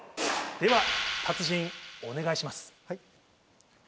では達人お願いします。